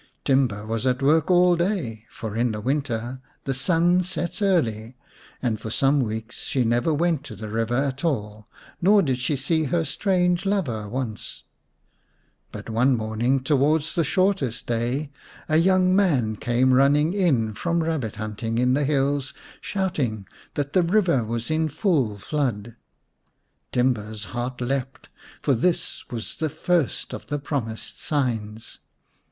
Timba was at work all day, for in winter the sun sets early, and for some weeks she never went to the river at all, nor did she see her strange lover once. But one morning towards the shortest day a young man came running in from rabbit hunting in the hills shouting that the river was in full 86 viii The Serpent's Bride flood. Timba's heart leapt, for this was the first of the promised signs.